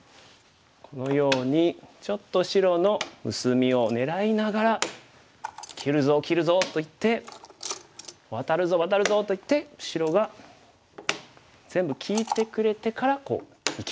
このようにちょっと白の薄みを狙いながら「切るぞ切るぞ」と言って「ワタるぞワタるぞ」と言って白が全部利いてくれてからこう生きる。